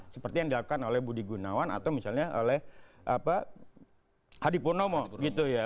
seperti yang dilakukan oleh budi gunawan atau misalnya oleh hadi purnomo gitu ya